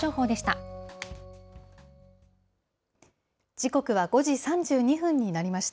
時刻は５時３２分になりました。